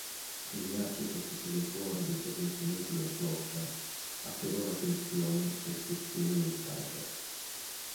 Energico sostenitore del potenziamento della flotta, attirò l'attenzione e il sostegno del Kaiser.